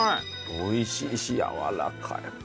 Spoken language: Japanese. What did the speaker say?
美味しいしやわらかい。